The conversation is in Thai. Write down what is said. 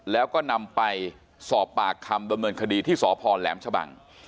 แล้วก็นำไปสอบปากคำดำเนินคดีที่สพแหลมชะบัง